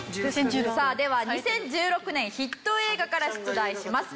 では２０１６年ヒット映画から出題します。